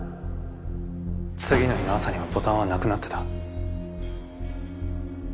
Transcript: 次の日の朝にはボタンはなくなってた。